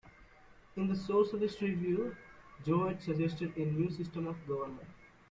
In the "Socialist Review" Jowett suggested a new system of government.